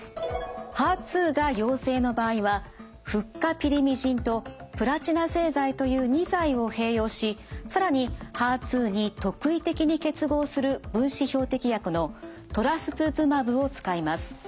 ＨＥＲ２が陽性の場合はフッ化ピリミジンとプラチナ製剤という２剤を併用し更にＨＥＲ２に特異的に結合する分子標的薬のトラスツズマブを使います。